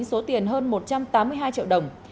số tiền hơn một trăm tám mươi hai triệu đồng